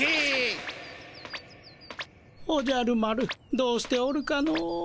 おじゃる丸どうしておるかの？